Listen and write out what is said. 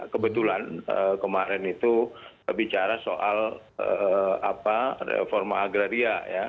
kebetulan kemarin itu bicara soal reforma agraria ya